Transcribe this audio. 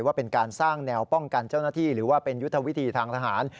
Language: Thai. ว่าเป็นการสร้างแนวป้องกันเจ้าหน้าที่หรือว่าเป็นยุทธวิธีทางทหาร